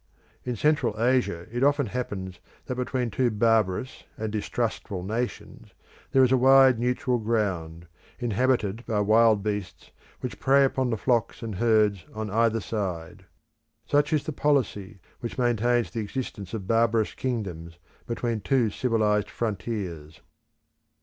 In Central Africa it often happens that between two barbarous and distrustful nations there is a wide neutral ground, inhabited by wild beasts, which prey upon the flocks and herds on either side. Such is the policy which maintains the existence of barbarous kingdoms between two civilised frontiers.